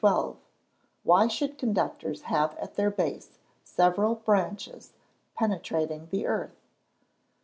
_Why should conductors have at their base several branches penetrating the earth?